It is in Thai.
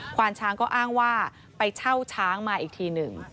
ความช้างก็อ้างว่าไปเช่าช้างมาอีกทีหนึ่ง